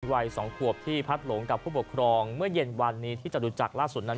วัย๒ขวบที่พัดหลงกับผู้ปกครองเมื่อเย็นวันนี้ที่จตุจักรล่าสุดนั้น